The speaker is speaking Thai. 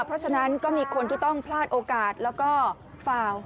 เพราะฉะนั้นก็มีคนที่ต้องพลาดโอกาสแล้วก็ฝ่า